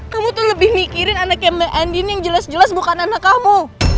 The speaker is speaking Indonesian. kamu tuh lebih mikirin anaknya mbak andin yang jelas jelas bukan anak kamu